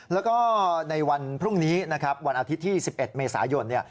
แล้วก็ในวันพรุ่งนี้นะครับวันอาทิตย์ที่๑๑เมษายน